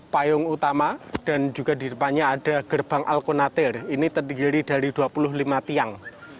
payung utama dan juga di depannya ada gerbang al qur ini terdiri dari dua puluh lima tiang